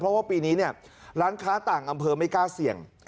เพราะว่าปีนี้เนี่ยร้านค้าต่างอำเภอไม่กล้าเสี่ยง